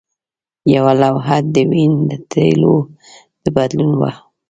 یوه لوحه د وین د تیلو د بدلون وه